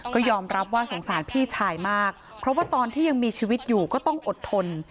ก็ยอมรับว่าสงสารพี่ชายมากเพราะว่าตอนที่ยังมีชีวิตอยู่ก็ต้องอดทน